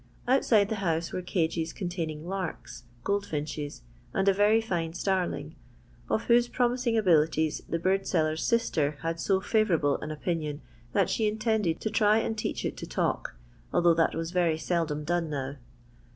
Outside the house were cages con taining larks, goldfinches, and a very fine starling, of whose promising abilities the bird seller's sister had so fiivourable an opinion that she intended to try and teach it to talk, although that was very seldom done now.